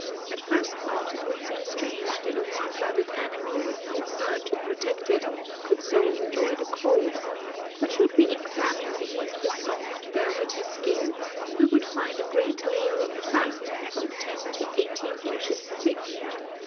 At first thought it would seem strange that a warm blooded animal with no fur to protect it could so enjoy the cold, but should we examine beneath the soft, velvety skin we would find a great layer of fat, from ten to eighteen inches thick.